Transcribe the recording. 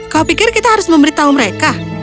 kau pikir kita harus memberitahu mereka